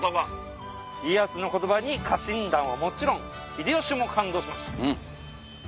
家康の言葉に家臣団はもちろん秀吉も感動しました。